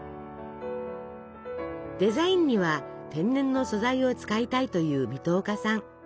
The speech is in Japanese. デザインには天然の素材を使いたいという水戸岡さん。